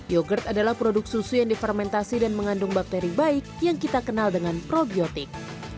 yogurt adalah produk susu yang difermentasi dan mengandung bakteri baik yang kita kenal dengan probiotik